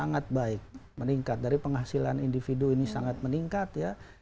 sangat baik meningkat dari penghasilan individu ini sangat meningkat ya